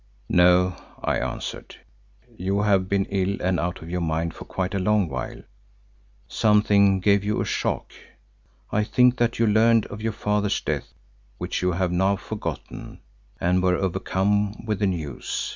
"No," I answered, "you have been ill and out of your mind for quite a long while; something gave you a shock. I think that you learned of your father's death, which you have now forgotten, and were overcome with the news.